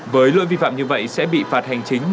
với lỗi vi phạm như vậy sẽ bị phạt hành chính